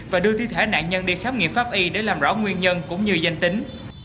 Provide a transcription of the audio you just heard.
và đưa thi thể nạn nhân đi khám nghiệm pháp y để làm rõ nguyên nhân cũng như danh tính